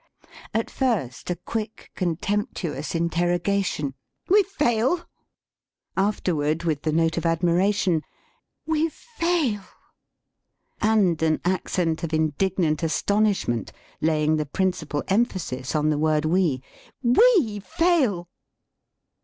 At first a quick, contemptuous interrogation 'we fail?' Afterward with the note of admiration ' we fail!' and an accent of indignant astonishment laying the principal emphasis on the word we l we fail!'